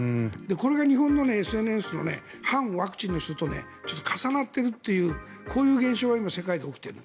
これが日本のＳＮＳの反ワクチンの人と重なってるという現象が今、世界で起きている。